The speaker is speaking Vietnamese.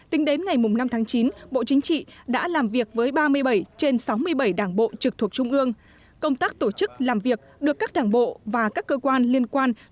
tính đến ngày năm tháng chín bộ chính trị đã làm việc với ba mươi bảy trên sáu mươi bảy đảng bộ trực thuộc trung ương công tác tổ chức làm việc được các đảng bộ và các cơ quan liên quan